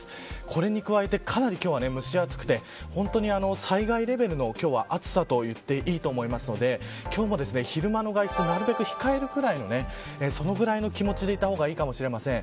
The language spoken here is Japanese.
これに加えて、かなり蒸し暑くて災害レベルの暑さと言っていいと思いますので今日も昼間の外出は控えるぐらいのそのぐらいの気持ちでいた方がいいかもしれません。